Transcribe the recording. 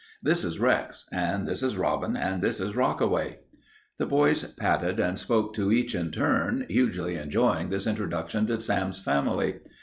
This is Rex and this is Robbin and this is Rockaway." The boys patted and spoke to each in turn, hugely enjoying this introduction to Sam's family.